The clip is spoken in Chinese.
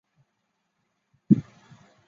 马凯也是一位诗人。